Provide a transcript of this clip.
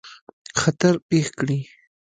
خطر پېښ کړي.